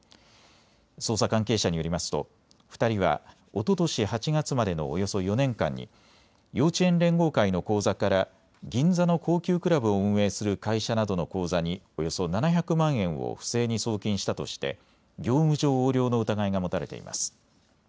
捜査関係者によりますと２人はおととし８月までのおよそ４年間に幼稚園連合会の口座から銀座の高級クラブを運営する会社などの口座におよそ７００万円を不正に送金したとして業務上横領の疑いが持たれています。